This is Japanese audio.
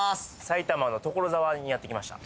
埼玉の所沢にやって来ました